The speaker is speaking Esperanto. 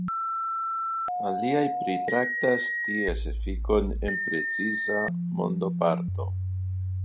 Aliaj pritraktas ties efikon en preciza mondoparto.